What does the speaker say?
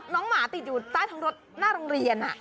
หมาติดอยู่ใต้ท้องรถหน้าโรงเรียน